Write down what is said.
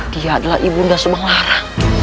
dia adalah ibu nda sumeng lara